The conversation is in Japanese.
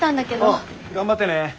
うん頑張ってね！